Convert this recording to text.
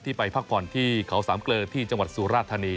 ไปพักผ่อนที่เขาสามเกลือที่จังหวัดสุราธานี